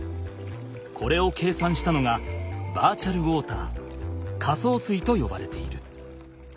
これを計算したのがバーチャルウォーター仮想水とよばれている。